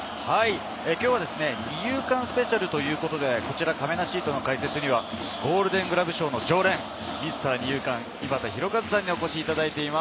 今日は二遊間スペシャルということで、かめなシートの解説にはゴールデングラブ賞の常連、ミスター二遊間・井端弘和さんにお越しいただいています。